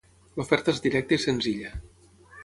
L'oferta és directa i senzilla.